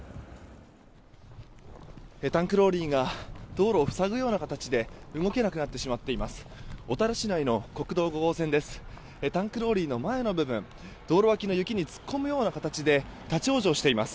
タンクローリーが道路を塞ぐような形で動けなくなってしまっています。